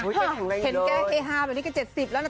เห็นแกเฮฮาแบบนี้ก็๗๐แล้วนะ